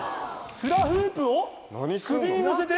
フラフープを首にのせて。